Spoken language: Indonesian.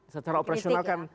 secara operasional kan